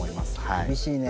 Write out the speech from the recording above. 厳しいね。